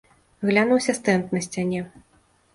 Глянуўся стэнд на сцяне.